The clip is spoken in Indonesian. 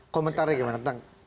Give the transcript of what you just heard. komentarnya gimana tentang